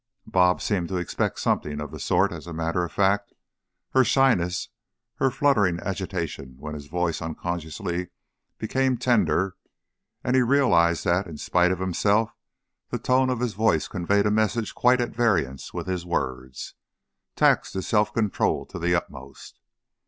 "Bob" seemed to expect something of the sort, as a matter of fact. Her shyness, her fluttering agitation when his voice unconsciously became tender and he realized that, in spite of himself, the tone of his voice conveyed a message quite at variance with his words taxed his self control to the utmost.